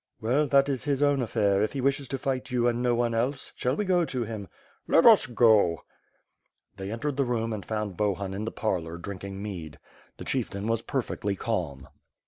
"Well, that is his own affair; if he wishes to fight you and no one else. Shall we go to him?" "Let us go." They entered the room and found Bohun in the parlor drinking mead. The chieftain was perfectly calm.